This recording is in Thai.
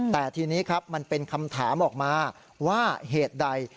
แต่ทีนี้ครับมันเป็นคำถามออกมาว่าเหตุใด